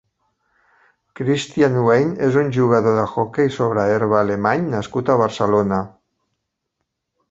Christian Wein és un jugador d'hoquei sobre herba alemany nascut a Barcelona.